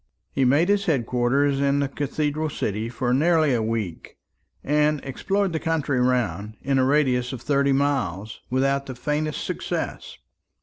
He made his head quarters in the cathedral city for nearly a week, and explored the country round, in a radius of thirty miles, without the faintest success.